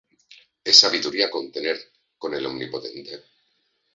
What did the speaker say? ¿Es sabiduría contender con el Omnipotente?